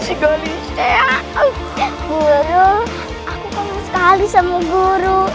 aku kagum sekali sama guru